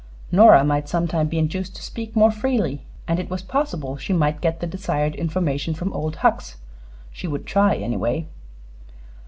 Nora might some time be induced to speak more freely, and it was possible she might get the desired information from Old Hucks. She would try, anyway.